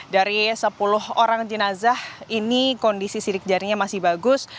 dari sepuluh orang jenazah ini kondisi sidik jarinya masih bagus